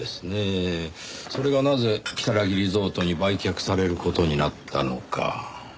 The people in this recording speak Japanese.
それがなぜ如月リゾートに売却される事になったのか。